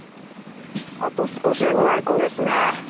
あと少しでご来光ですね。